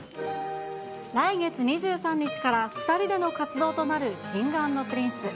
来月２３日から２人での活動となるＫｉｎｇ＆Ｐｒｉｎｃｅ。